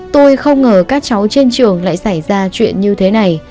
tôi không ngờ các cháu trên trường lại xảy ra chuyện như thế này